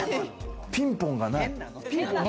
ピンポンがない。